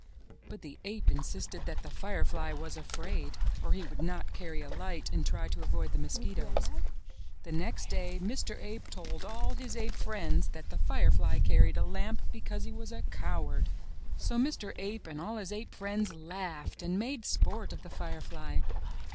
But the ape insisted that the firefly was afraid, or he would not carry a light and try to avoid the mos quitoes. The next day Mr. Ape told all his ape friends 83 MY BOOK HOUSE that the firefly carried a lamp because he was a coward. So Mr. Ape and all his ape friends laughed and made sport of the firefly.